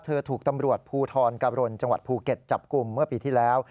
ถูกตำรวจภูทรกะบรนจังหวัดภูเก็ตจับกลุ่มเมื่อปีที่แล้ว